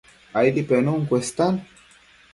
Aidi penun cuestan